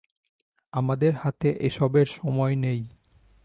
আমাদের হাতে এসবের সময় নেই।